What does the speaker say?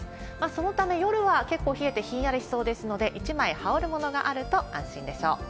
そのため、夜は結構冷えてひんやりしそうですので、１枚羽織るものがあると安心でしょう。